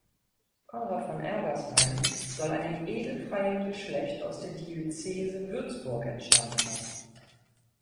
Konrad von Ergersheim soll einem edelfreien Geschlecht aus der Diözese Würzburg entstammt haben.